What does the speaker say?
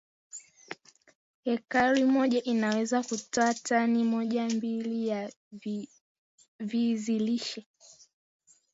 hekari moja inaweza kutoa tani mojambili ya vizi lishe